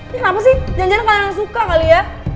kenapa sih jangan jangan kalian suka kali ya